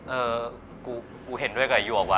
เออกูเห็นด้วยกับหยวกว่